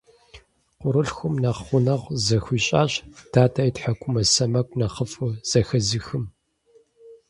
Къуэрылъхум нэхъ гъунэгъу зыхуищӀащ дадэ и тхьэкӀумэ сэмэгу нэхъыфӀу зэхэзыхым.